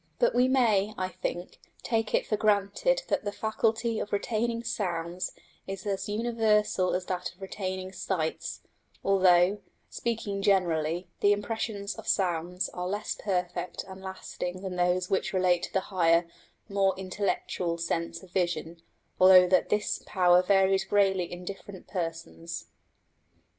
But we may, I think, take it for granted that the faculty of retaining sounds is as universal as that of retaining sights, although, speaking generally, the impressions of sounds are less perfect and lasting than those which relate to the higher, more intellectual sense of vision; also that this power varies greatly in different persons.